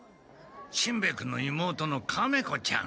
しんべヱ君の妹のカメ子ちゃん。